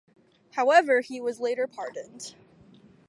However, he was later pardoned.